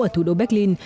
ở thủ đô berlin